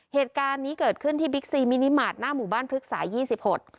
เหตุการณ์นี้เกิดขึ้นที่บิ๊กซีมินิมาตรหน้าหมู่บ้านพฤกษายี่สิบหก